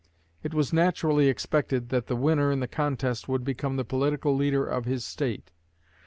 It was naturally expected that the winner in the contest would become the political leader of his State.